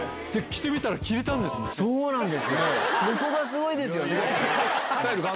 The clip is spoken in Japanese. そうなんですよ！